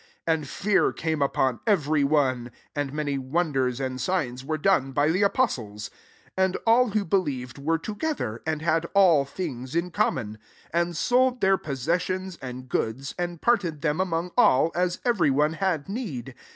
43 And fear came upon every one; and many wonders and signs were done by the apostles. 44 And all who believed were together, and had all things in common ; 45 and sold their possessions and goods, and parted them among all, as eveiy one had need.